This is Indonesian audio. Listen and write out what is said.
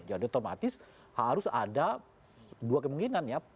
jadi otomatis harus ada dua kemungkinan ya